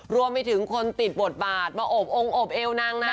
รวมไปถึงคนติดบทบาทมาโอบองค์โอบเอวนางนะ